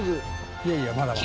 「いやいやまだまだ」